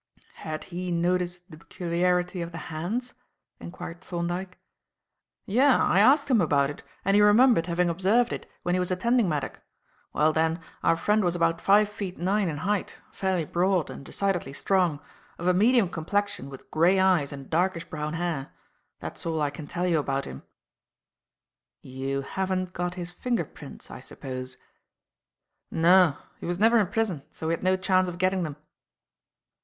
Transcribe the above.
"Had he noticed the peculiarity of the hands?" enquired Thorndyke. "Yes. I asked him about it and he remembered having observed it when he was attending Maddock. Well, then, our friend was about five feet nine in height, fairly broad and decidedly strong, of a medium complexion with grey eyes and darkish brown hair. That's all I can tell you about him." "You haven't got his finger prints, I suppose?" "No. He was never in prison, so we had no chance of getting them."